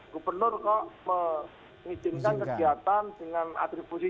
gubernur kok mengizinkan kegiatan dengan atribusi